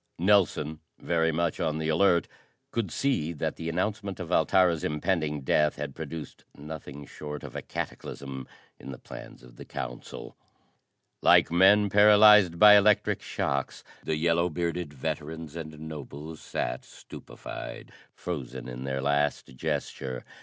Nelson, very much on the alert, could see that the announcement of Altara's impending death had produced nothing short of a cataclysm in the plans of the council. Like men paralyzed by electric shocks, the yellow bearded veterans and nobles sat stupefied, frozen in their last gesture.